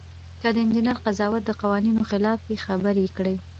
که د انجینر قضاوت د قوانینو خلاف وي خبره یې کړئ.